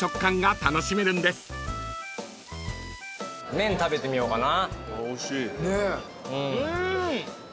麺食べてみようかな。